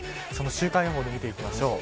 週間予報を見ていきます。